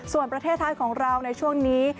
ส่วนประเทศไทยของเราในช่วงนี้